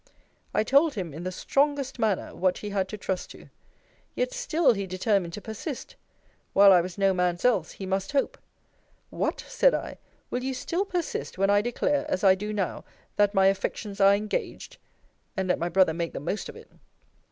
I told him in the strongest manner, what he had to trust to. Yet still he determined to persist. While I was no man's else, he must hope. What! said I, will you still persist, when I declare, as I do now, that my affections are engaged? And let my brother make the most of it.